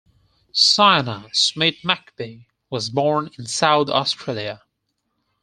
Sianoa Smit-McPhee was born in South Australia.